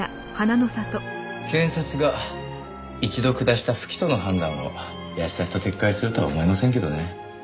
検察が一度下した不起訴の判断をやすやすと撤回するとは思えませんけどね。